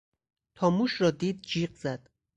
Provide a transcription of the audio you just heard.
تا موش را دید جیغ زد.